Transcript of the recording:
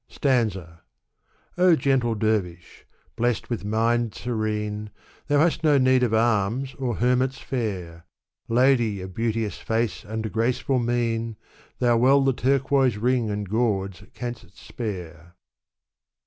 Stanza, O gentle dervish ! blest with mind serene, Thou hast no need of alms or hermit's fare. Lady of beauteous face and graceful mien ! Thou well the turquoise ring and gauds canst spare.